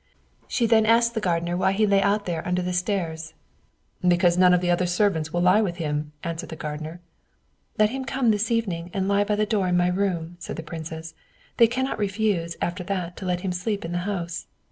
She then asked the gardener why he lay out there under the stairs. "Because none of the other servants will lie with him," answered the gardener. "Let him come this evening and lie by the door in my room," said the princess: "they cannot refuse after that to let him sleep in the house."